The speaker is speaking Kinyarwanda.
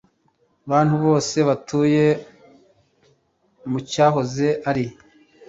bantu bose batuye mucyahoze ari